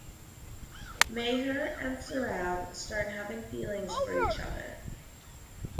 Meher and Sarab start having feelings for each other.